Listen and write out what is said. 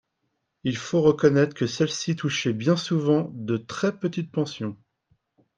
Il faut reconnaître que celles-ci touchaient bien souvent de très petites pensions.